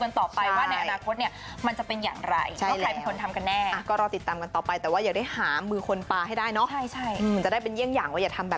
อันนี้เดี๋ยวก็ต้องรอดูกันต่อไปว่าในอนาคตเนี่ยมันจะเป็นอย่างไร